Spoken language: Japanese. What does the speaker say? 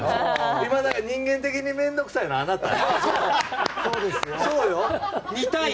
今、人間的に面倒くさいのは、あなたよ！